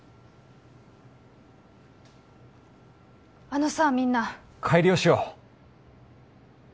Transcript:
あのさみんな改良しよう